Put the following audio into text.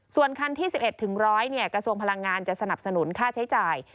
ส่วนคันที่๑๑๑๐๐กระทรวงพลังงานจะสนับสนุนค่าใช้จ่าย